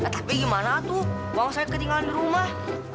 tapi gimana tuh bang saya ketinggalan di rumah